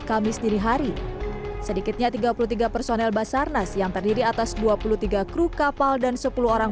kamis dinihari sedikitnya tiga puluh tiga personel basarnas yang terdiri atas dua puluh tiga kru kapal dan sepuluh orang